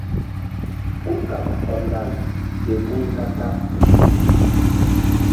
Kúkaɓ hɔndal ke gun ka-kaɓ.